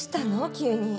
急に。